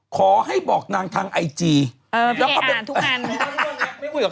ขอให้บอกนางทางไอจีเออพี่เอ่ออ่านทุกงาน